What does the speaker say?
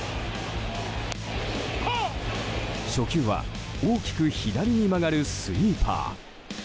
初球は大きく左に曲がるスイーパー。